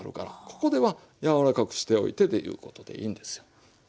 ここでは柔らかくしておいてということでいいんですよ。